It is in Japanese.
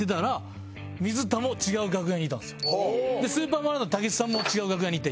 でスーパーマラドーナの武智さんも違う楽屋にいて。